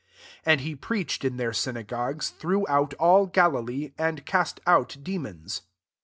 39 And he preached m their synagogues, throughout all Galilee; and cast out de mons.